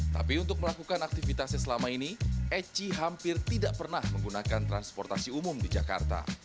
tapi untuk melakukan aktivitasnya selama ini eci hampir tidak pernah menggunakan transportasi umum di jakarta